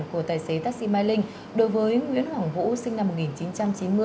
của tài xế taxi mai linh đối với nguyễn hoàng vũ sinh năm một nghìn chín trăm chín mươi